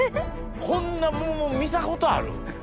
こんな桃見たことある？